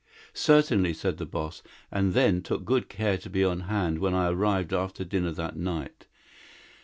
"'Certainly,' said the boss, and then took good care to be on hand when I arrived after dinner that night.